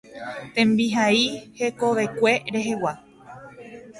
Tembihai hekovekue rehegua.